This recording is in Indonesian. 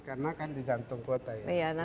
karena kan di jantung kota